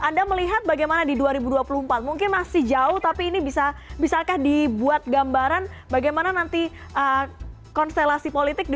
anda melihat bagaimana di dua ribu dua puluh empat mungkin masih jauh tapi ini bisa bisakah dibuat gambaran bagaimana nanti konstelasi politik di dua ribu dua puluh empat